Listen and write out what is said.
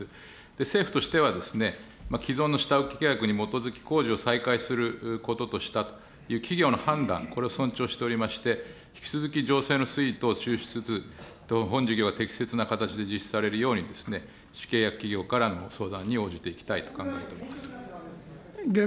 政府としてはですね、既存の下請け契約に基づき、工事を再開することとした企業の判断、これを尊重しておりまして、引き続き、情勢の推移等を注視つつ、本事業は適切な形で実施されるようにですね、主契約企業からの相談に応じていきたいと考えています。